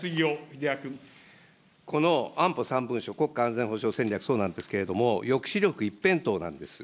この安保３文書、国家安全保障戦略、そうなんですけれども、抑止力一辺倒なんです。